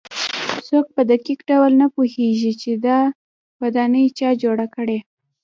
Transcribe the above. څوک په دقیق ډول نه پوهېږي چې دا ودانۍ چا جوړې کړې.